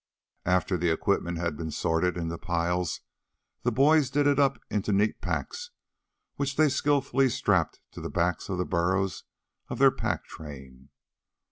After the equipment had been sorted into piles, the boys did it up into neat packs which they skillfully strapped to the backs of the burros of their pack train.